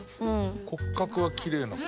骨格はきれいな方。